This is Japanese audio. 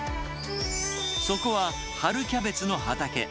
そこは、春キャベツの畑。